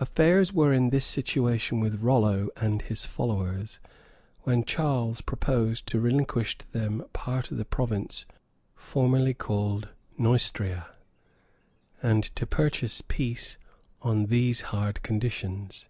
Affairs were in this situation with Rollo and his followers, when Charles proposed to relinquish to them part of the province formerly called Neustria, and to purchase peace on these hard conditions.